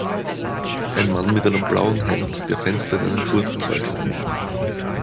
Ein Mann in einem blauen Hemd, der Fenster in einem Gurtzeug reinigt.